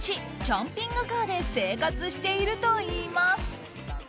キャンピングカーで生活しているといいます。